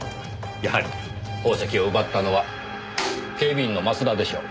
やはり宝石を奪ったのは警備員の増田でしょう。